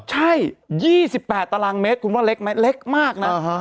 ใช่๒๘ตารางเมตรคุณว่าเล็กไหมเล็กมากนะ